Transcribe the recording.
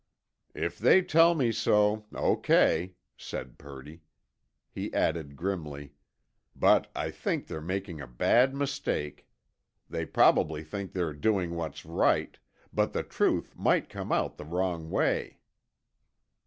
"If they tell me so, O.K.," said Purdy. He added grimly, "But I think they're making a bad mistake. They probably think they're doing what's right. But the truth might come out the wrong way."